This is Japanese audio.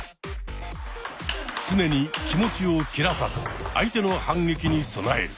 常に気持ちを切らさず相手の反撃に備える。